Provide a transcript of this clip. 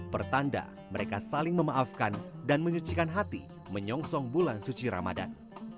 pertanda mereka saling memaafkan dan menyucikan hati menyongsong bulan suci ramadan